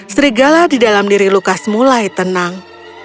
serigala di dalam diri lukas mulai tenang